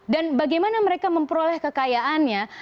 dan bagaimana mereka memperoleh kekayaannya